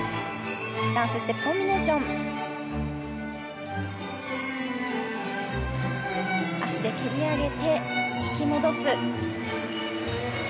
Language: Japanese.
バウンスしてコンビネーション、足で蹴り上げて、引き戻す。